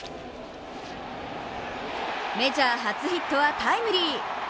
メジャー初ヒットはタイムリー。